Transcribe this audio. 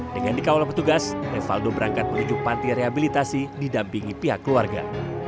dengan dikawal petugas revaldo berangkat menuju panti rehabilitasi didampingi pihak keluarga